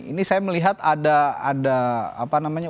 ini saya melihat ada apa namanya